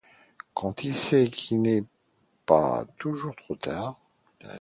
Qui sait s’il n’est pas déjà trop tard?